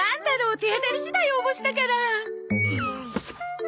手当たり次第応募したから。